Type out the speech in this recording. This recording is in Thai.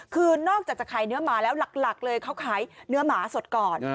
คือนอกจากจะขายเนื้อหมาแล้วหลักเลยเขาขายเนื้อหมาสดก่อน